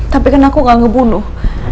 tapi kan aku gak ngebunuh